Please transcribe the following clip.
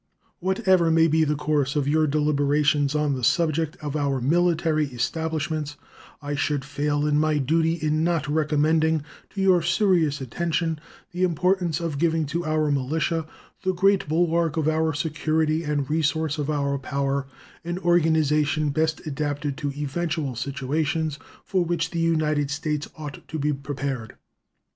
Whatever may be the course of your deliberations on the subject of our military establishments, I should fail in my duty in not recommending to your serious attention the importance of giving to our militia, the great bulwark of our security and resource of our power, an organization best adapted to eventual situations for which the United States ought to be prepared.